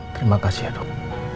terima kasih ya dok